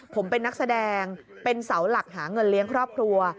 ผมเป็นนักแสดงเป็นเสาหลักหาเงินเลี้ยงครอบครัว